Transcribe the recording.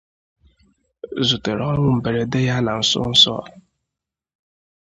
zùtèrè ọnwụ mberede ya na nsonso a